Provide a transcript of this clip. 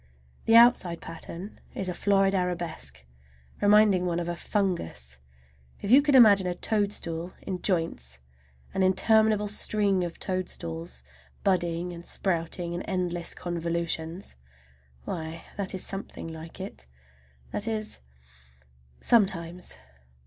The outside pattern is a florid arabesque, reminding one of a fungus. If you can imagine a toadstool in joints, an interminable string of toadstools, budding and sprouting in endless convolutions,—why, that is something like it. That is, sometimes!